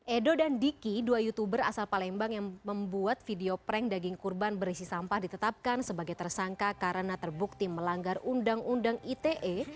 edo dan diki dua youtuber asal palembang yang membuat video prank daging kurban berisi sampah ditetapkan sebagai tersangka karena terbukti melanggar undang undang ite